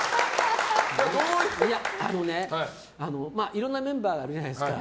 いろんなメンバーがいるじゃないですか。